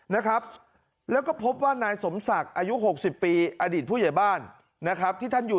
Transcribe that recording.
นะครับแล้วก็พบว่านายสมศักดิ์อายุหกสิบปีอดีตผู้ใหญ่บ้านนะครับที่ท่านอยู่